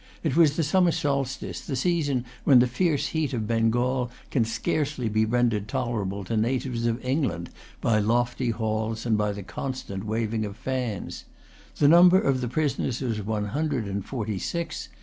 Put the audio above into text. It was the summer solstice, the season when the fierce heat of Bengal can scarcely be rendered tolerable to natives of England by lofty halls and by the constant waving of fans. The number of the prisoners was one hundred and forty six.